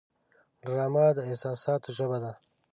ډرامه د احساساتو ژبه ده